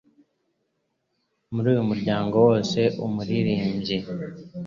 muri uyu murongo wose umuririmbyi